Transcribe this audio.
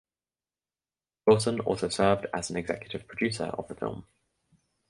Wilson also served as an executive producer of the film.